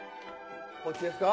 こっちですか？